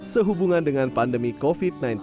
sehubungan dengan pandemi covid sembilan belas